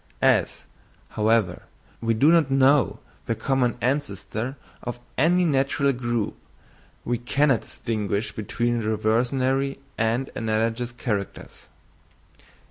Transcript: As, however, we do not know the common ancestor of any natural group, we cannot distinguish between reversionary and analogous characters.